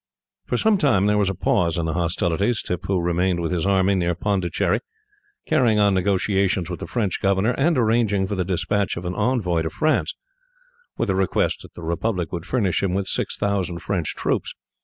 For some time, there was a pause in the hostilities. Tippoo remained with his army near Pondicherry, carrying on negotiations with the French governor, and arranging for the despatch of an envoy to France, with a request that the Republic would furnish him with six thousand French troops.